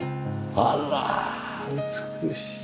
あら美しい。